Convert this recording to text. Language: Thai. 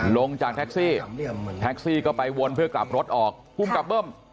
ลงจากแท็กซี่แท็กซี่ก็ไปวนเพื่อกลับรถออกภูมิกับเบิ้ม